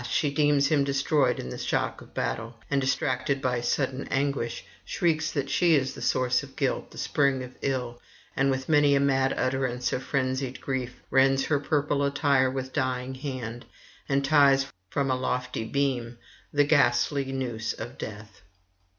she deems him destroyed in the shock of battle, and, distracted by sudden anguish, shrieks that she is the source of guilt, the spring of ill, and with many a mad utterance of frenzied grief rends her purple attire with dying hand, and ties from a lofty beam the ghastly noose of death.